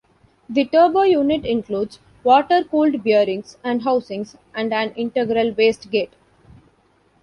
The turbo unit includes water-cooled bearings and housings and an integral wastegate.